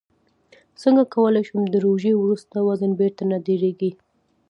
څنګه کولی شم د روژې وروسته وزن بېرته نه ډېرېږي